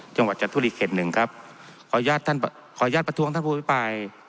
จังหวัดจันทบุรีเขตหนึ่งครับขออนุญาตท่านขออนุญาตประท้วงท่านผู้อภิปราย